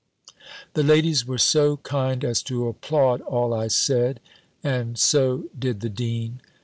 The ladies were so kind as to applaud all I said, and so did the dean.